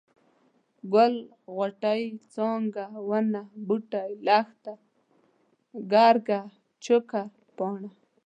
ګل، غوټۍ، څانګه ، ونه ، بوټی، لښته ، ګرګه ، چوکه ، پاڼه،